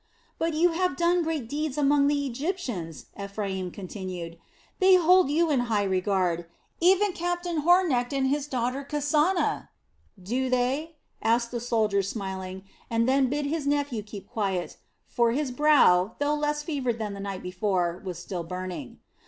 "But you have done great deeds among the Egyptians," Ephraim continued. "They hold you in high regard; even captain Homecht and his daughter, Kasana." "Do they?" asked the soldier smiling, and then bid his nephew keep quiet; for his brow, though less fevered than the night before, was still burning.